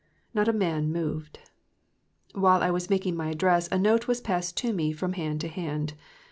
Not a man moved. While I was making my address a note was passed to me from hand to hand.